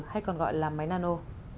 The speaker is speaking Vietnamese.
hay còn gọi là máy nano